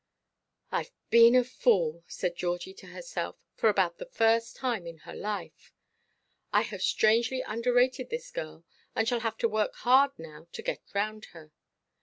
"Iʼve been a fool," said Georgie to herself, for about the first time in her life; "I have strangely underrated this girl, and shall have hard work now to get round her.